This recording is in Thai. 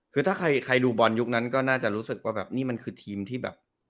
คือถ้าใครดูบอลยุคนั้นก็น่าจะรู้สึกว่าแบบนี่มันคือทีมที่แบบ